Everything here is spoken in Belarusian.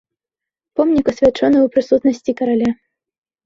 Помнік асвячоны ў прысутнасці караля.